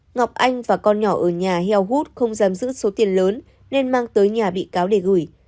ngọc anh và con nhỏ ở nhà heo hút không giam giữ số tiền lớn nên mang tới nhà bị cáo để gửi